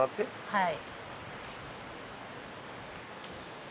はい。